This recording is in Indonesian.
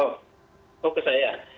oh oh ke saya